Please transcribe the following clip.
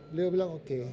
beliau bilang oke